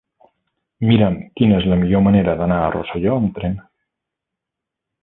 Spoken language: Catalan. Mira'm quina és la millor manera d'anar a Rosselló amb tren.